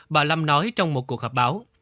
bà lâm nói trong một cuộc họp báo